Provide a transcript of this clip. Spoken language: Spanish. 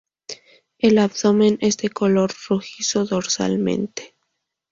El abdomen es de color rojizo dorsalmente.